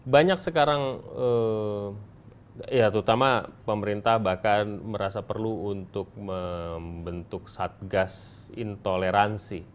banyak sekarang ya terutama pemerintah bahkan merasa perlu untuk membentuk satgas intoleransi